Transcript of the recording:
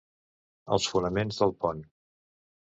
Els fonaments del pont.